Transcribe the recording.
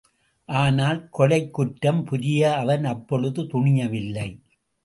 ஆனால், கொலைக் குற்றம் புரிய அவன் அப்பொழுது துணியவில்லை.